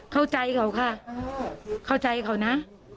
เข้าใจเขาค่ะเข้าใจเขานะ